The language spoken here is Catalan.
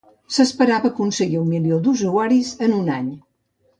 S'esperava aconseguir un milió d'usuaris en un any.